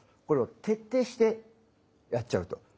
これを徹底してやっちゃうと。